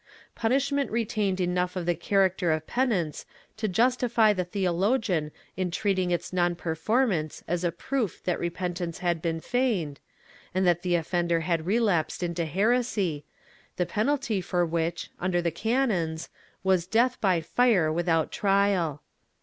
Punishment retained enough of the character of penance to justify the theolo gian in treating its non performance as a proof that repentance had been feigned, and that the offender had relapsed into heresy, the penalty for which, under the canons, was death by fire without trial.